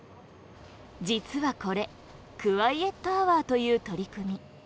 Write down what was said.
実はこれ、クワイエットアワーという取り組み。